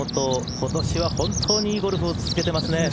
今年は本当にゴルフを続けてますね。